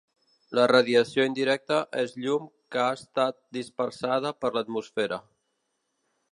La radiació indirecta és llum que ha estat dispersada per l'atmosfera.